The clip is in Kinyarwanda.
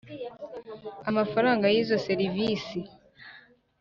amafaranga y izo serivisi